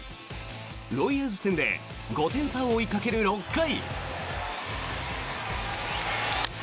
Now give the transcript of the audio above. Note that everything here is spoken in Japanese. ロイヤルズ戦で５点差を追いかける６回。